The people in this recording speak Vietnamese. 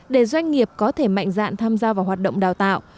để doanh nghiệp có thể mạnh dạn tham gia vào hoạt động đào tạo